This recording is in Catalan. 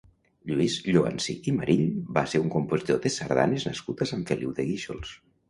Lluís Lloansí i Marill va ser un compositor de sardanes nascut a Sant Feliu de Guíxols.